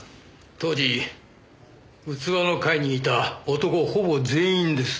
当時器の会にいた男ほぼ全員です。